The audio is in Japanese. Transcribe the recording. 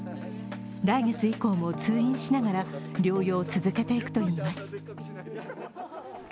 来月以降も通院しながら、療養を続けていくといいます。